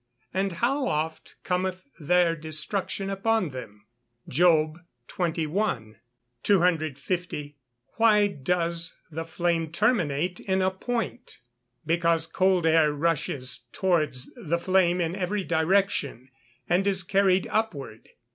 and how oft cometh their destruction upon them?" JOB XXI.] 250. Why does the flame terminate in a point? Because cold air rushes towards the flame in every direction, and is carried upward.